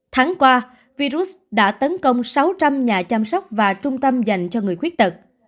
tháng qua virus đã tấn công sáu trăm linh nhà chăm sóc và trung tâm dành cho người khuyết tật